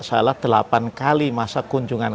salah delapan kali masa kunjungan